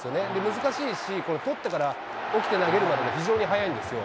難しいし、取ってから起きて投げるまでが非常に早いんですよ。